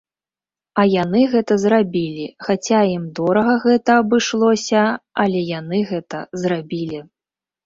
А яны гэта зрабілі, хаця ім дорага гэта абышлося, але яны гэта зрабілі.